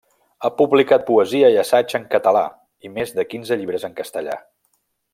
Ha publicat poesia i assaig en català i més de quinze llibres en castellà.